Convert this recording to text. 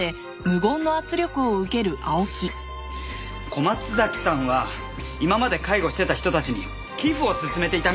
小松崎さんは今まで介護してた人たちに寄付を勧めていたみたいです。